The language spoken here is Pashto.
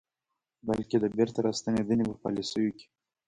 بلکې د بیرته راستنېدنې په پالیسیو کې